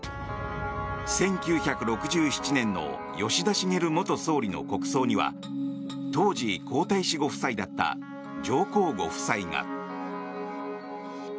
１９６７年の吉田茂元総理の国葬には当時、皇太子ご夫妻だった上皇ご夫妻が。